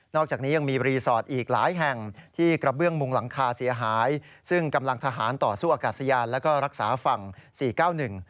อกจากนี้ยังมีรีสอร์ทอีกหลายแห่งที่กระเบื้องมุงหลังคาเสียหายซึ่งกำลังทหารต่อสู้อากาศยานแล้วก็รักษาฝั่งสี่เก้าหนึ่ง